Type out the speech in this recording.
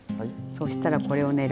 そしたらこれをね